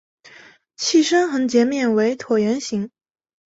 器身横截面为椭圆形。